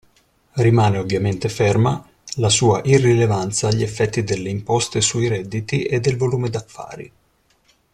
Rimane ovviamente ferma la sua irrilevanza agli effetti delle imposte sui redditi e del volume d'affari.